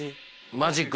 マジック。